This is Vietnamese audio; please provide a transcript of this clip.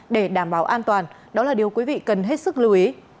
để đảm bảo an toàn đó là điều quý vị cần hết sức lưu ý